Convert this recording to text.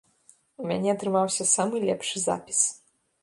У мяне атрымаўся самы лепшы запіс.